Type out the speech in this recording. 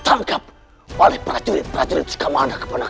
ditangkap oleh prajurit prajurit sukamana kepenakanku